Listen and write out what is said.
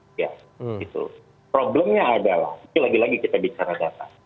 problemnya adalah ini lagi lagi kita bicara data